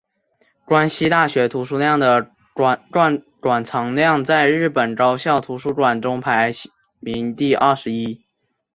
关西大学图书馆的馆藏量在日本高校图书馆中排名第二十一。